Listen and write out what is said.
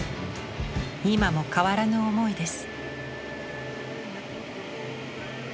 今も変わらぬ思いです。